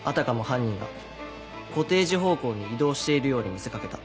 犯人がコテージ方向に移動しているように見せ掛けた。